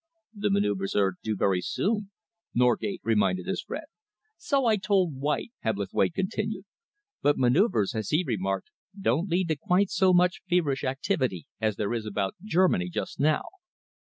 "The manoeuvres are due very soon," Norgate reminded his friend. "So I told White," Hebblethwaite continued, "but manoeuvres, as he remarked, don't lead to quite so much feverish activity as there is about Germany just now.